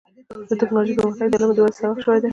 د ټکنالوجۍ پرمختګ د علم د ودې سبب شوی دی.